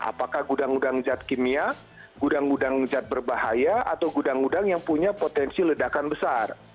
apakah gudang gudang zat kimia gudang gudang zat berbahaya atau gudang gudang yang punya potensi ledakan besar